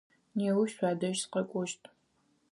Неущ шъуадэжь сыкъэкӏощт.